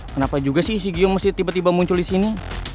kenapa juga sih si gio mesti tiba tiba muncul disini